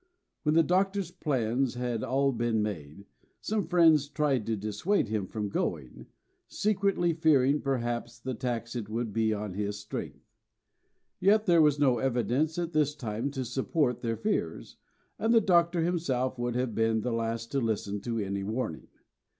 When the Doctor's plans had all been made, some friends tried to dissuade him from going, secretly fearing, perhaps, the tax it would be on his strength. Yet there was no evidence at this time to support their fears, and the Doctor himself would have been the last to listen to any warning.